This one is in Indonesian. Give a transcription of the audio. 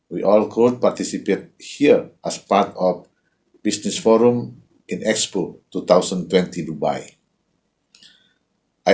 kita semua dapat berpartisipasi di sini sebagai bagian dari forum bisnis di expo dua ribu dua puluh dubai